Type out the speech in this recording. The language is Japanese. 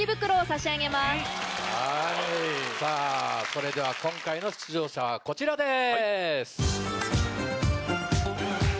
それでは今回の出場者はこちらです！